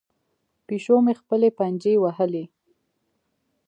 پیشو مې خپلې پنجې وهي.